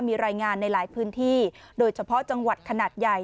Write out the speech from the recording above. มีรายงานในหลายพื้นที่โดยเฉพาะจังหวัดขนาดใหญ่